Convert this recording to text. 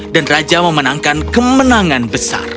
dan raja memenangkan kemenangan besar